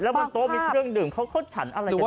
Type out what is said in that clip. แล้วบนโต๊ะมีเครื่องดื่มเค้าขดฉันอะไรกันอยู่